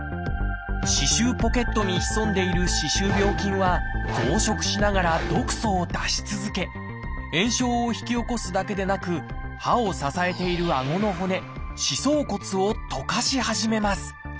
歯周ポケットに潜んでいる歯周病菌は増殖しながら毒素を出し続け炎症を引き起こすだけでなく歯を支えているあごの骨「歯槽骨」を溶かし始めます。